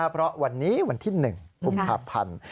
เพราะวันนี้วันที่๑กุมภาพันธ์